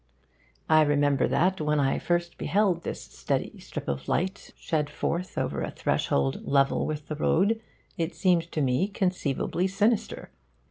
I remember that when first I beheld this steady strip of light, shed forth over a threshold level with the road, it seemed to me conceivably sinister.